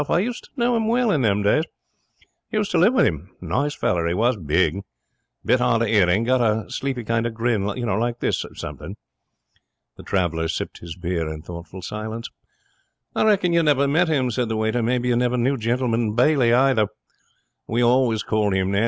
I used to know him well in them days. Used to live with him. Nice feller he was. Big. Bit hard of hearing. Got a sleepy kind of grin, like this something.' The traveller sipped his beer in thoughtful silence. 'I reckon you never met him,' said the waiter. 'Maybe you never knew Gentleman Bailey, either? We always called him that.